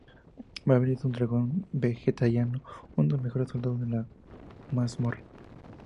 Marvin es un dragón vegetariano, uno de los mejores soldados de la Mazmorra.